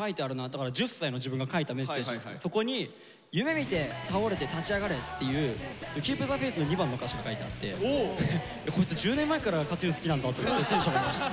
だから１０歳の自分が書いたメッセージなんすけどそこにっていう「Ｋｅｅｐｔｈｅｆａｉｔｈ」の２番の歌詞が書いてあって「こいつ１０年前からＫＡＴ−ＴＵＮ好きなんだ」と思ってテンション上がりました。